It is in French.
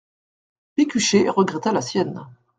Pécuchet regretta la sienne.